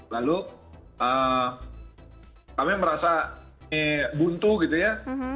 lalu kami merasa ini buntu gitu ya